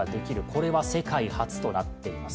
これは世界初となっております。